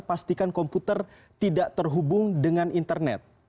pastikan komputer tidak terhubung dengan internet